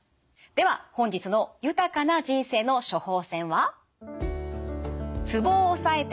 では本日の豊かな人生の処方せんは？